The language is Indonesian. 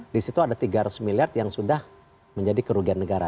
di situ ada tiga ratus miliar yang sudah menjadi kerugian negara